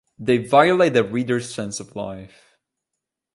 They violate the reader's sense of life.